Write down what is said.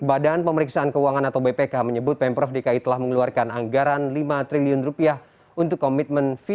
badan pemeriksaan keuangan atau bpk menyebut pemprov dki telah mengeluarkan anggaran lima triliun rupiah untuk komitmen fee